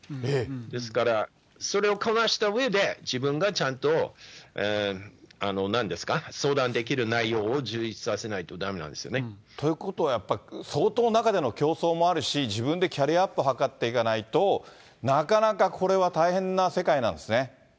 ですから、それをこなしたうえで、自分がちゃんとなんですか、相談できる内容を充実させないとだめなんですよね。ということはやっぱり、相当、中での競争もあるし、自分でキャリアアップを図っていかないと、なかなか、これは大変な世界なんですね。